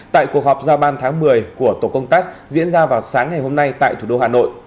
tại cuộc họp giao ban tháng một mươi của tổ công tác diễn ra vào sáng ngày hôm nay tại thủ đô hà nội